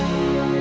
sampai jumpa lagi